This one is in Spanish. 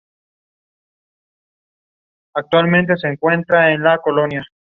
Sobre este frontón aparece el escudo del obispo Tavera.